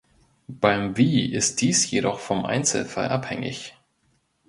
Beim „wie“ ist dies jedoch vom Einzelfall abhängig.